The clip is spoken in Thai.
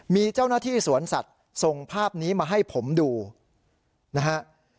มีเจ้าหน้าที่สวนสัตว์ส่งภาพนี้มาให้ผมดูนะฮะ